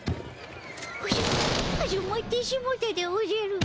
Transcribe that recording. おじゃ始まってしもたでおじゃる。